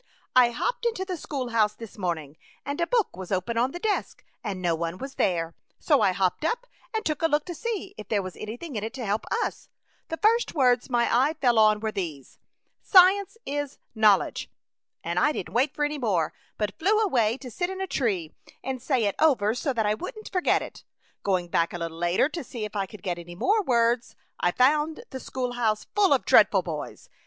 " I hopped into the schoolhouse this morning, and a book was open on the desk, and no one was there, so I hopped up and took a look to see if there was anything in it to help us. The first words my eye fell on were A Chautauqua Idyl. 49 these, —' science is knowledge.' And I didn't wait for any more, but flew away to sit in a tree and say it over so that I wouldn't forget it. Going back a little later to see if I could get any more words, I found the schoolhouse full of dreadful boys.